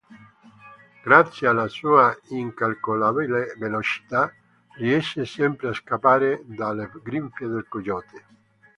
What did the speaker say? Grazie alla sua incalcolabile velocità riesce sempre a scappare dalle grinfie del coyote.